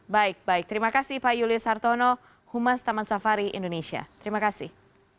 baik baik terima kasih pak julius hartono humas taman safari indonesia terima kasih